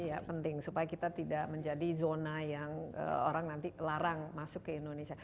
ya penting supaya kita tidak menjadi zona yang orang nanti larang masuk ke indonesia